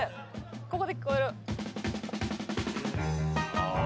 ここで聞こえるあ・